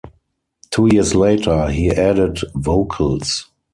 Two years later, he added vocals.